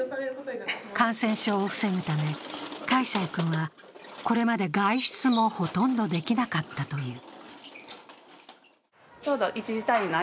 感染症を防ぐため、櫂成君はこれまで外出もほとんどできなかったという。